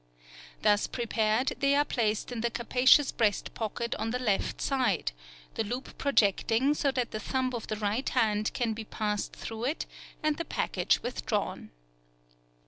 Thus prepared they are placed in the capacious breast pocket on the left side, the loop projecting so that the thumb or the right hand can be passed through it and the package withdrawn.